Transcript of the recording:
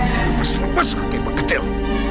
serbes serbes kok ibu kecil